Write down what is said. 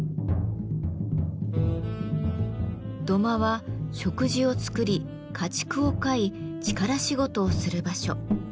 土間は食事を作り家畜を飼い力仕事をする場所。